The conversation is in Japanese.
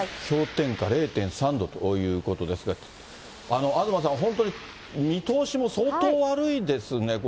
氷点下０．３度ということですが、東さん、本当に、見通しも相当悪いですね。